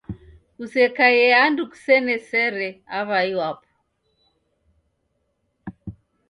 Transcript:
Kusekaie andu kusena sere aw'ai wapo